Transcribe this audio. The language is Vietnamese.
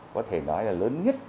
có thể nói là lớn nhất